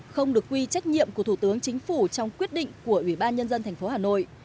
không được quy trách nhiệm của thủ tướng chính phủ trong quyết định của ubnd tp hà nội